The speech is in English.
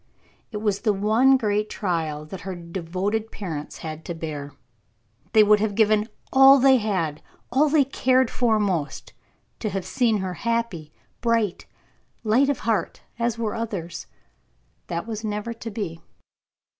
It was the one great trial that her devoted parents had to bear. They would have given all they had, all they cared for most, to have seen her happy, bright, light of heart as were others. That was never to be.